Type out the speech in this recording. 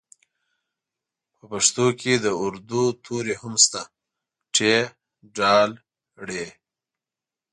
په پښتو کې د اردو توري هم شته ټ ډ ړ